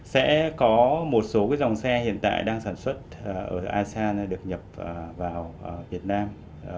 sẽ có một số dòng xe hiện tại đang sản xuất ở asean được nhập vào việt nam